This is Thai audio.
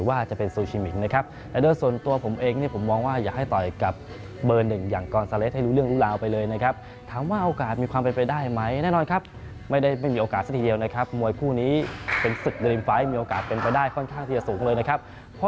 อาจจะรับค่าสัญญาสูงถึงราว๒๐ล้านบาทครับ